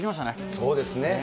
そうですね。